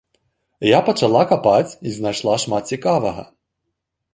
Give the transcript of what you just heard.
Я пачала капаць і знайшла шмат цікавага.